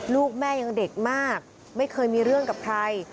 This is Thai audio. ลูกแม่ยังเด็กมากไม่เคยมีเรื่องกับใคร